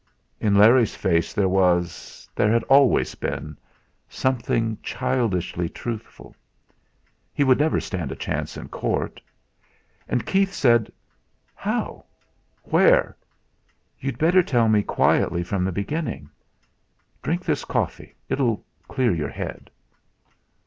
In Larry's face there was there had always been something childishly truthful. He would never stand a chance in court! And Keith said: "How? Where? You'd better tell me quietly from the beginning. Drink this coffee; it'll clear your head."